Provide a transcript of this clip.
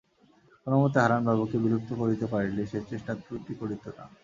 কোনোমতে হারানবাবুকে বিলুপ্ত করিতে পারিলে সে চেষ্টার ত্রুটি করিত না।